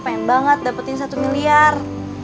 pengen banget dapetin satu miliar